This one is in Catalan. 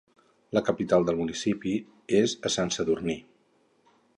La capital del municipi és a Sant Sadurní.